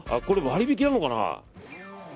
これ割引なのかな。